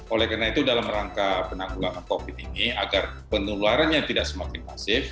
oleh karena itu dalam rangka penanggulangan covid ini agar penularannya tidak semakin masif